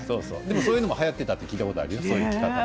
そういうのもはやっていたと聞いたこともあります。